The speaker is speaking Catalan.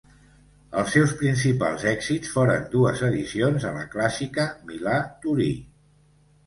Els seus principals èxits foren dues edicions a la clàssica Milà-Torí.